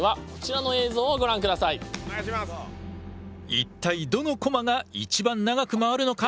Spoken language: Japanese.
一体どのコマが一番長く回るのか？